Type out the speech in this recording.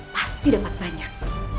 pasti dapat banyak